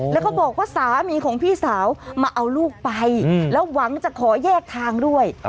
แล้วก็บอกว่าสามีของพี่สาวมาเอาลูกไปแล้วหวังจะขอแยกทางด้วย